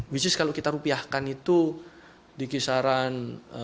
which is kalau kita rupiahkan itu di kisaran